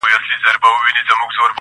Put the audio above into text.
د زړگي غوښي مي د شپې خوراك وي.